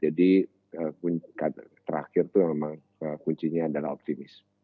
jadi terakhir itu memang kuncinya adalah optimisme